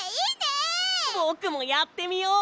ぼくもやってみよう！